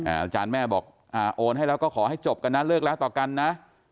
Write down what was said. อาจารย์แม่บอกโอนให้แล้วก็ขอให้จบกันนะเลิกแล้วต่อกันนะ